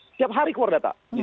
setiap hari keluar data